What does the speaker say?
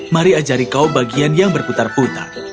mari ajari kau bagian yang berputar putar